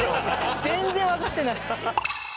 全然わかってない。